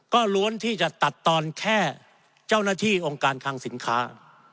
ก็ล้วนที่จะตัดตอนแค่เจ้าหน้าที่องค์การคังสินค้า